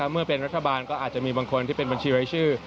เมื่อเป็นรัฐบาลก็อาจจะมีบางคนที่เป็นบัญชีรายชื่อ